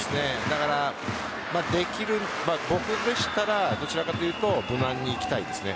だから僕でしたらどちらかというと無難に行きたいですね。